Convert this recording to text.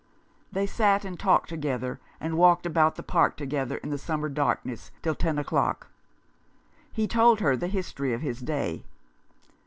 They sat and talked together, and walked about the park together in the summer darkness, till ten o'clock. He told her the history of his day.